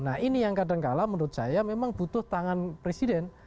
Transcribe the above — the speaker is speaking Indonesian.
nah ini yang kadangkala menurut saya memang butuh tangan presiden